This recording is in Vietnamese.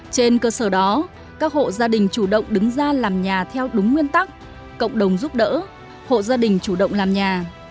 trên cơ sở đó các hộ gia đình chủ động đứng ra làm nhà theo đúng nguyên tắc cộng đồng giúp đỡ hộ gia đình chủ động làm nhà